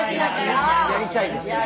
やりたいです。